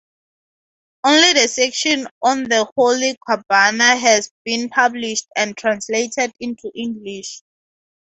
Only the section on the Holy Qurbana has been published and translated into English.